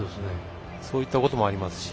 そういったこともありますし。